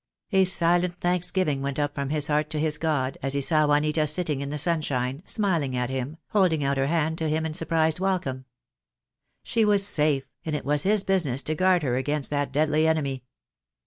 A silent thanksgiving went up from his heart to his God as he saw Juanita sitting in the sunshine, smiling at him, hold ing out her hand to him in surprised welcome. She was safe, and it was his business to guard her against that deadly enemy.